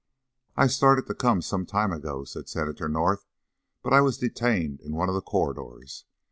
"I started to come some time ago," said Senator North, "but I was detained in one of the corridors.